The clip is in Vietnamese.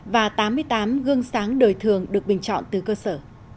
và tám mươi tám gương sáng đời thường được bình chọn từ cơ sở